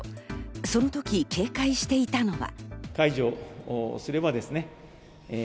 その時、警戒していたのは。